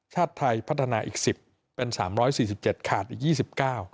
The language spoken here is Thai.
ชาติไทยพัฒนาอีก๑๐เป็น๓๔๗ขาดอีก๒๙